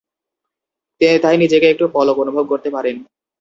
তাই নিজেকে একটু পলকা অনুভব করতে পারেন!